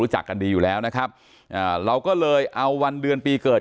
รู้จักกันดีอยู่แล้วนะครับอ่าเราก็เลยเอาวันเดือนปีเกิด